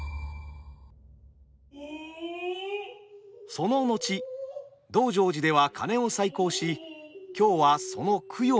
その後道成寺では鐘を再興し今日はその供養の日。